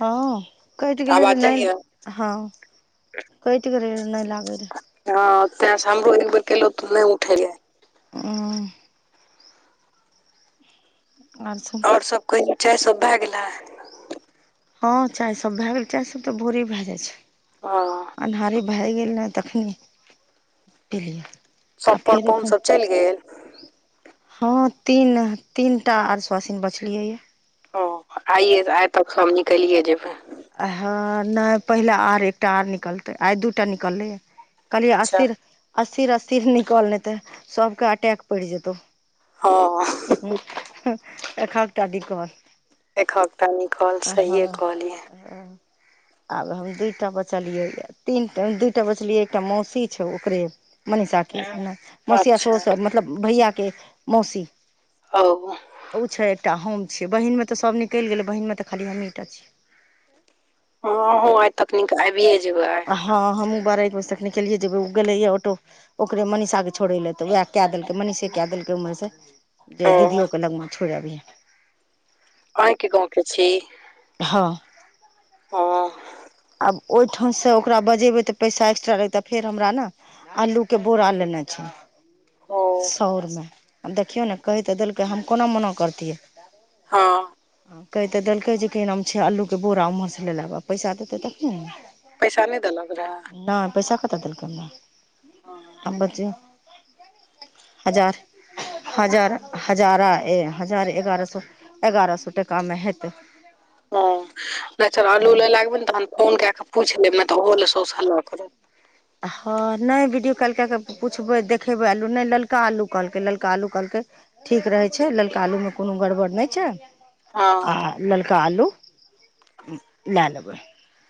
हां कैट गेलै रहे आवाज नै जाइया हां कैट गेलै रहे नै लागै रहै। हां तै से हमरो एक बेर कैलो तै नै उठैले। हुं। आर सब? आओर सब कही चाय सब भए गेलै। हां चाय सब भए गेलै, चाय सब तऽ भोरे भए जाइ छै। हां। अन्हारे भए गेल नै तखनी पी लिया। सब पर-पहुन सब चैल गेल। हां तीन-तीनटा आर स्वासिन बचलियै यै। ओ आइए तै आइ तक हम निकलिये जेबे। आइ हां नै पहिले आर एकटा आर निकलतै आइ दूटा निकललै यै। कहलियै अच्छा अस्थिर, अस्थिर-अस्थिर निकल नहि ते सबके अटैक पड़ि जेतौ हँ उहु हु एकहक टा डिगर एकहक का निकल सहिए कहल ये ह आब हम दूटा बचलियै तीनटा दू टा बचलियै एकटा मौसी छै ओकरे मनीषा के नय मौसिया अच्छा साउस मतलब भैया के मौसी हव ऊ छै एकटा हम छी बहिन मे त सब निकलि गेले बहिन मे तऽ खाली हमहीटा छीय। [unintelligible] हं हो आय तनिक आबियए जेबै आइ हँ हमूँ बारह एक बजे तक निकलियै जेबै ओ गेलैय ऑटो ओकरे मनीषाके छोड़ै लए तऽ वैह कै देलकै मनीषे कै देलकै उमहरेसँ जे ओ दीदियो के लगमा छोड़ अभीये अही के गाँव के छी हँ ओ आब ओ ठाउ स ओकरा बजेबे तऽ पैसा एक्स्ट्रा लइते फेर हमरा ने आलू के बोरा लेने छै। ओ सौरमे आ देखियौ ने कह तऽ देलकै हम कोना मना करतियै हँ आ कहि तऽ देलकै जे किनाम छै अलूके बोरा ओम्हरसँ ले लेब आ पैसा देतै तखने ने पैसा नहि देलक गऽ नय पैसा कतऽ देलखुन अम ब हजार हजार हजारा ए हजार एगारह सौ एगारह सौ टका मे हेतै ह नहि चल आलू लए लागब ने तहन फोन क के पूछि लेब तऽ ओहो ले सउस हला करत हँ नहि वीडियो कॉल कए कऽ पुछबै देखेबै आलू नहि ललका आलू कहलकै ललका आलू कहलकै ठीक रहै छै ललका आलूमे कोनो गड़बड़ नहि छै आ हँ ललका अल्लू लेए लेबै।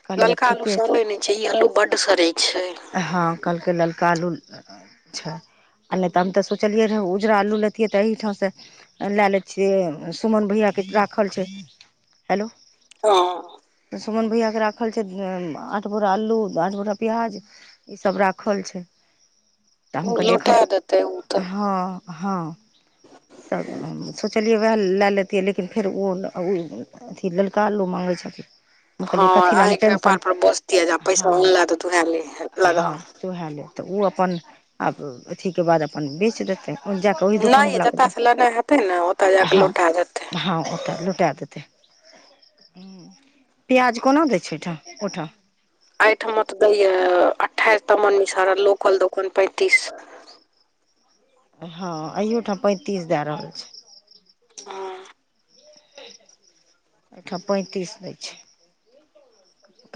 कहलियै ललका अल्लू ठीके सड़ै नहि छै ई अल्लू बड्ड सड़ै छै हँ कहलकै ललका अल्लू छै आ नहि तऽ हम तऽ सोचलै रहे उजरा अल्लू लेैतियै तऽ एहिठाम से लएलै छियै सुमन भैयाके राखल छै हेलो हँ सुमन भइया के राखल छै आठ बोरा अल्लू आठ बोरा प्याज ई सब राखल छै तऽ हम ओ कहलियै लौटा देतै ओ एखक तऽ हँ हँ तब हम सोचलियै वैह लए लेैतियै लेकिन फेर ओ ओ अथी ललका अल्लू माँगै छथिन हम हँ कहलियै कथी लए हम आहि के टेंशन कपार पर बसतीय जे पैसा हँ अनला त तुहे ले लगा हँ तऽ ओहे ले तऽ ओ अपन आब अथीके बाद अपन बेच देतै जाकऽ ओहि दोकान नहि यै वला के जतऽ से लेनाइ हेतै ने ओतऽ जाके हँ लौटा देतै हँ ओतऽ लूटे देत प्याज कोना दै छै अहिठाम ओहिठाम एहिठमा तऽ दैय अठाइस तमन मिस लोकल दोकान पैंतीस हँ अइहो ठाम पैंतीस दै रहल छै हँ अहिठाँ पैंतीस दै छै।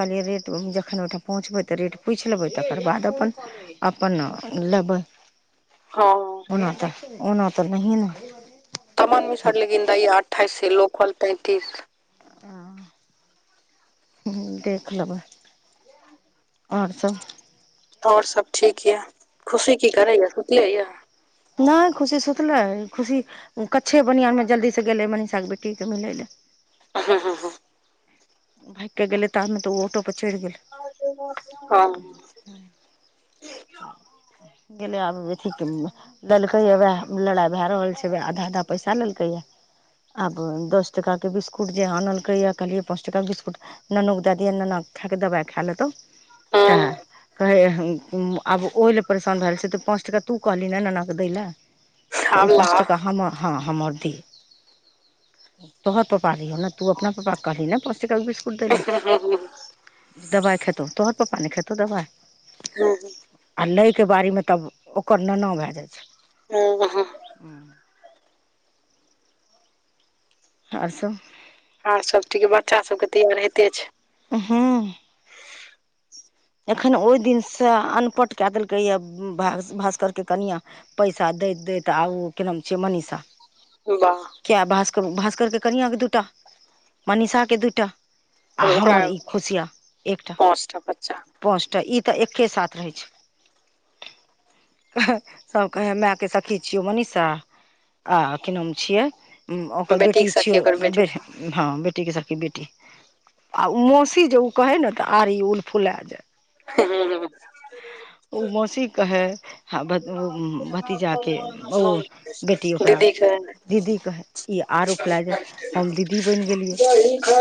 कहलियै रेट, जखन ओहिठा पहुँचबै तऽ रेट पुछि लेबै, तकर बाद अपन अपन लेबै। हँ ओना तऽ-ओना तऽ नहिये ने सामान मिसर लेकिन दैय या, अठइस से लोकल पैंतीस हं हम्म देख लेबै अओर सब और सब ठीक यऽ, खुशी की करै य सुतलेय नहि खुशी सुतलै, खुशी कच्छे बनियानमे जल्दीसँ गेलै मनीषाके बेटीके मिलै लए। हं-हं- हं। भाइग के गेलै, ता मे त ओ ऑटो पर चढ़ि गेलै। [unintelligible] [inaudible] [unintelligible] गेलै आब [unintelligible] देलकै या वएह, लड़ाइ भए रहल छै, वैह आधा-आधा पैसा लेलकैए। आब दस टका के बिस्कुट जे आनलकै या कहलियै पां चोंटा बिस्कुट ननो क दए दिहैन, नना खैकऽ दवाइ खा लेतौ। तऽ हँ, कहै। आब ओहि लए परेशान भैल छै, त पाँच टका तू कहलही ने ननाके दैलए। तऽ उ आबला पाँच टका हम हँ हमर आऔर दी, तोहर पापा रहियौ न तू अपना पप्पा के कहलही ने पांच [unintelligible] [unintelligible] दवाई खेतो, तोहर पप्पा नहि खेतौ दबाई। यौ बैए और लैके बारीमे तब ओकर ननौ भए जाइ छै। [unintelligible] हूं आर सब। आर सब ठीक, बच्चा सबके तैयार होइते छै। हूं एखन ओहि दिनसँ अनपट कए देलकै यए, भा भास्करके कनियां पैसा दैत-दैत आ ओ के नाम छियै मनीषा। बाह। किया भास्कर-भास्कर के कनिया के दूटा, मनीषा के दूइटा। आ हमर ई खुशियाँ एकटा। ऑस्ठा पद। च्छा पाँचटा ई तऽ एक्के साथ रहै छै। सब कहै मैंऽ के सखी छियौ मनीषा आ की नाम छियै, ओकर बेटी बेटीके छियौ सखी ओकर बेटी बेटा हँ बेटी के सखी बेटी, आ मौसी जे उ कहै ने तऽ आर ‌इ उल फुलै जाय। [unintelligible] उ मौसी कहै हं ओ भतीजाक के ओ बेटी ओकरा दीदीके दीदी कहै। ई आर उफ लए जाय हम दीदी बनि गेलियै,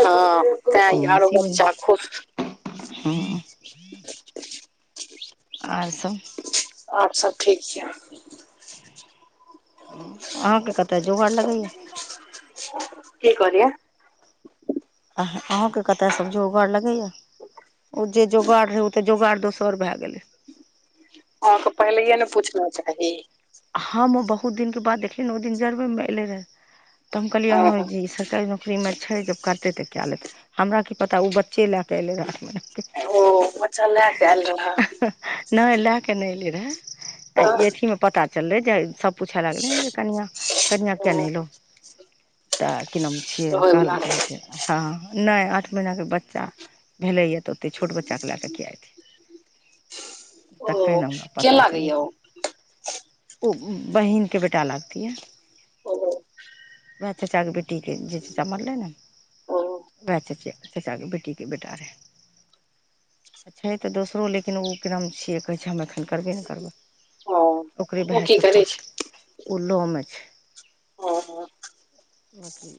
हँ हम तैं आरो मौसी बनि बच्चा खुश गेलै। हँ। आर सब। और सब ठीक छै। अहाँकेँ कतऽ जोगर लगलयै। कि कहलिए। अह-अहांके कतय सब जोगार लगैया, ओ जे जोगार रहैउ तऽ जोगाड़ दोसर भए गेलै। अहाँके पहिलेे ने पूछना चाही। हम ओ बहुत दिनक के बाद देखलियनि ओ दिन जरबे मे एले रहे। तब हम कहलियै हँ जी सरकारी नौकरी मे छै, जब करते तऽ कै लेते हमरा की पता ओ बच्चे लए पहिले [inaudible] ओ बच्चा लैके आयल रहै। नै लए कऽ नै अयलै रहै, आ अथिमें पता चललै जे सब पूछा लगले जे कनिया- कनिया किया ओ नहि एलो। तऽ कि नाम छियै होयवला कहलकै जे रहै हँ नै आठ महिना के बच्चा भेलैए तऽ। तै छोट बच्चाके लए कऽ किए अतै, ओ तखैने हमरा के पता लागैये ओ चलैतऽ। ओ बहिनके बेटा लागतै। ओहो। वएह चाचााके बेटीके जे चचा मरलै ने। ओ वएह चचा- चचा के बेटीके बेटा रहे। छै तऽ दोसरो लेकिन ओकरा कि नाम छियै, कहै छै हम एखन करबे ने करब। [inaudible] ओकरे भैए छोटका करै छै ओ लॉ मे छै। [inaudible] बांकी।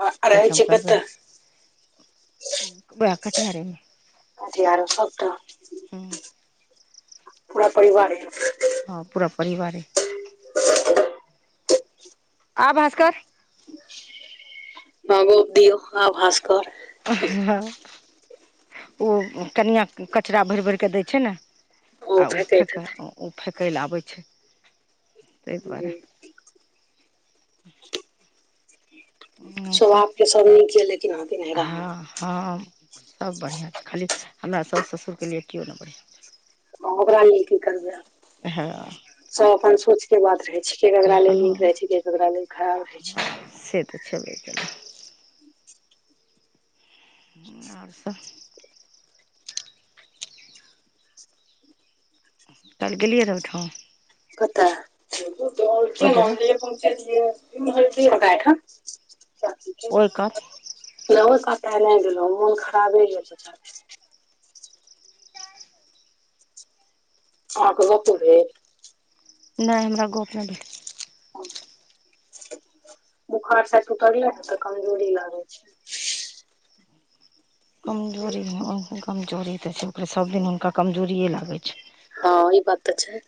आ रहै छै हम करबै नै कतऽ करब, उएह कटिहारेमे। कटिहार में सबटा। हूं। पूरा परिवारे। हँ पूरा परिवारे। आ भास्कर। ह गप्प दिऔ आ भास्कर। ह ओ कनिआ कचरा भरि- भरिके दै छै ने। आ ओ फेकैत फेकय हेतै ओ फेकय लए आबै छै ताहि दुआरे। हमसभ स्वभाव के सब नीक यै लेकिन अहाँ के नहिरामें। हँ- हँ सब बढ़िआँ छै, खाली हमरा साासु ससुरके लिए केओ नहि बढ़िआँ छै। ओकरा लि की करबै आब, छै। सब अपन सोच के बात रहै छै। के हँ केकरा लेल नीक हँ रहै छै, के केकरा लेल खराब रहै छै। छेबै करै। आर सब। कएल गेलियै रहऽ ओहिठाम। कतऽ ओहि डेरा [unintelligible] हुनका ओयठाम। ओल कऽ [unintelligible] नै गेलौ मोन खराबे यै तऽ। आहाँ के गपो भेल? नै हमरा गअप नै भेल। बोखार सैद उतरले हेँ तऽ कमजोरी लगै छै। कमजोरी कमजोरी तऽ छै सबदिन हुनका कमजोरियेे लागै छै। हँ ई बात तऽ छै।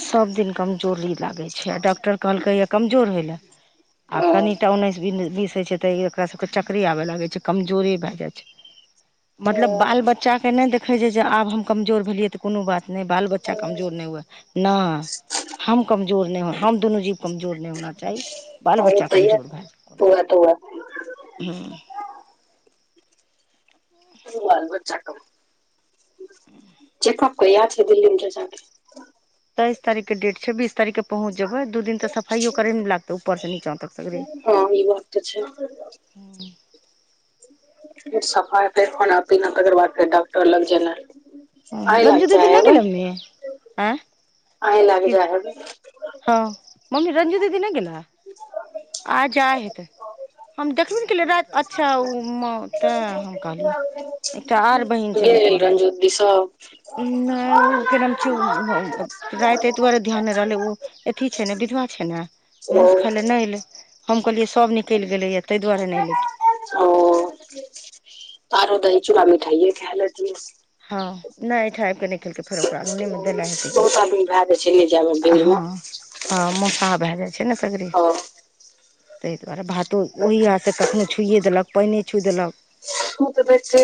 सब दिन कमजोरी लागै छै आ डॉक्टर कहलकैए कमजोर होय लए। आ हँ कनिटा उनैस, बीस होइ छै तऽ ऐकरा सबके चकरे आबय लागै छै कमजोरी भए जाइ छै। मतलब बाल बच्चा के नै देखै छै जे आब हम कमजोर भेलियै तऽ कोनो बात नै बाल बच्चा कमजोर नै हुए। न। हम कमजोर नै होना हम दुनू जीव कमजोर नै होना चाही बाल बच्चा कमजोर भए। पौआ -तोआ। हूँ। बाल बच्चा के चकअप कैया छेै दिल्ली मे चच्चा के? तेैइस तारख के डेट छै बीस तारीके। पहुँच जेबै दू दिन तऽ सफाइयो करैमे लागते ऊपर से नीचा तक सगरे। हँ ई बात तऽ छै हूँ। सफाइ फेर खाना पीना तकर बाद फेर डॉक्टर लग जेनाइ हँ आय ला रंजू [unintelligible] दीदी जाइ नहि हेबै। गेलै मम्मी आँय आय लाग की जाय हेबी? हँ मम्मी रंजू दीदी नै गेलै? आज जाय हेतै। हम देख बे नेै केलियेै रैत अच्छा उ मौका हम कहलियै। एकटा आर बहिन छे रुप- तेल रञ्जो दिदी सब। नै ओ करन चू बौ रायत ऐह दुआरे ध्यान नेै रहलेै ओ अथी छेै ने विधवा छेै ने ओ मौस खाय ले। नेै एलै हम कहलिये सब निकल गेलै या तैय दुआरे नै एलेै। ओ आरो दही, चूड़ा, मिठाइए ये खाय लेथिन। हँ नेै एहठाआइब कऽ नेै खेलके फेर ओकरा देने हेतै के बहुत आदमी भए जाइ छै ले जायमे भीड़ मे हँ। हँ मौसाह भए जाइ छै ने सगरे। हँ तैय दुआरे भातो ओहि हाथ से कखनौ छुइए देलक पैने छुइ देलक। छु दै छै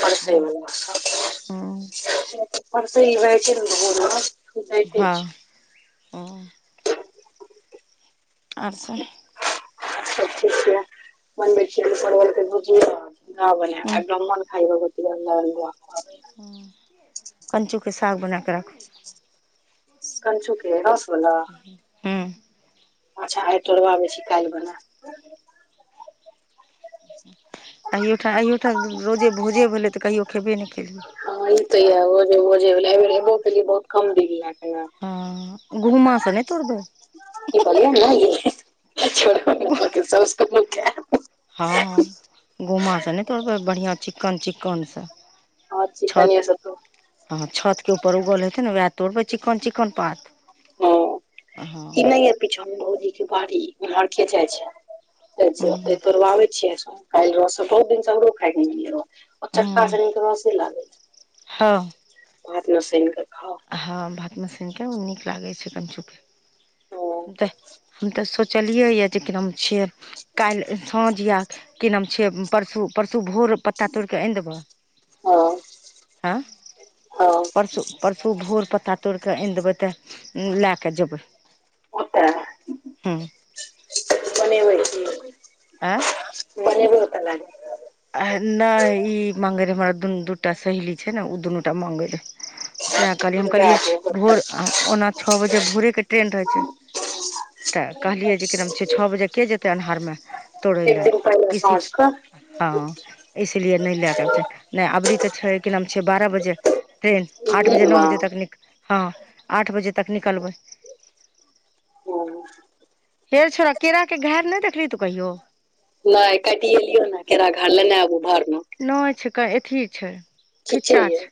परसै बला सब। हँ परसै मे भऽ जाय छै नै घौर मोर। हँ, हँ। अच्छा सब चीज छै बनबे छी परवल के भुजा बने हँ एकद [unintelligible] [unintelligible] हँ कनचू के साग बना के राखू। कनचुके रस वाला? हूँ। अच्छा आइ तोड़बाबै छी कैल बना। एहि ठाम अहियोठाम रोजे भोजे भेलेै तऽ कहियो खयबे नेै केलही? हा ई त य जे जे एसो केलिए बहुत कम दिन लै ह घुम की कहलियए ने य [unintelligible] हा घुमस से ने तोड़बै बढ़िआँ चिक्कन चिक्कन से हा चिकनियै‌ सऽ तो हा छत के ऊपर उगल हेते ने वैह तोरबइ चिकन-चिकन पात ह हँ ई नैय यै पीछा में भउजी के बड़ी उमहर खेजाइ छै हूँ अछ तोरबाबई छियै स काइल रस बहुत दिन हमरो खाय के मोन ओ चक्का हूँ स नीक रसे लागे छै भात मे सइनक खाउ हा भात में सइन के ओ नीक लागे छै कंचु के हँ हम त हम त सोचलियै जे किनाम छिय काल्हि साँझ या कि नाम छिये परसू परसू भोर पत्ता तोड़ि के आनि देब है हँ परसू परसू भोर पत्ता तोड़ि के ऐन देबय त लए क जेबय ओत बनेयबय की ए बनेबइ ओत ले जाक ने ई मांगे रहे हमरा दुनू दूटा सहेली छै ने ओ दुनूटा मांगे रहे ते कहलियै हम कहलियै भोर ओना छः बजे भोरेके ट्रेन रहै छै तै कहलिये जे किनाम छे छः बजे के जेते अनहार मे तोड़ एक लै दिन पहिले ई सी साँझ कऽ ह इसलिए नै लैगल छै नै अबरी तऽ छै कि नाम छै बार‌ह बजे। ट्रेन आठ दिनमे बजे नौ बजे तक निक हँ आठ बजे तक निकलबै। ह। हेरो छोड़ा केरा के घार नहि देखलही तू कहियो। नहि काटिएलिये ने केरा घर लेने आबू भार मे। नैय छै क अथी छै। खिचै खिच्चा यै। छै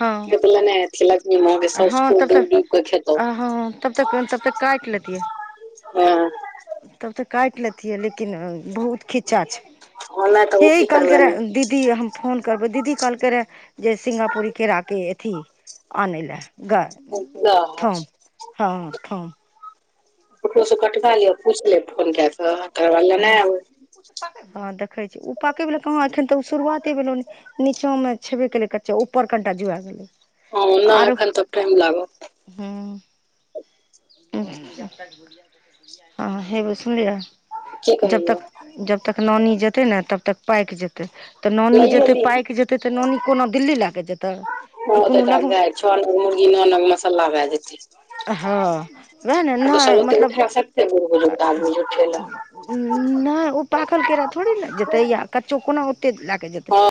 हँ कथि लै नहि एथिन लक्षमी मँ जे सौस हँ खुब तब तऽ डुबडुब क खेतौ। तीयैह। हँ। तब तऽ काटि लेतिए लेकिन बहुत खिच्चा छै। ओना तऽ ओ हे की इ कहलकै करबै रै दीदीए हम। फोन करबौ दीदी कहलकै रै जे सिंगापुरी केरा के अथी अनै ले ग गाछ। थम हँ थम ककरो से कटबा लिय पूछलेब फोन कै क तकर बाद लेने आबु। हँ देखै छी ओ पाकै बला कहाँ अखन तऽ ओ शुरुआते भेलै न। नीचो मे छेबे केलै कच्चे ऊपर कनिटा जुआ गेलै। ह नै अखन त टाइम लागत। हु हँ हेबे सुनलिय की जब कहैय तक जब। तक नानी जेतै ने तब तक पाइक जे तऽ नानी लैए जेतै पाइक लिहें जेतै तऽ नानी कोनो दिल्ली लैके जेतै ई कोनो लग छः अना मुर्गी नौ अना के मसल्ला भए जेते। हँ वैह ने नहि ओते मतलब उठा सकतै बूढ़ अ। बुजुर्ग आदमी उठेला नहि ओ पाकल केरा थोड़े ने जेतै यार कच्चो कोनो ओते लए कऽ जेतै। हँ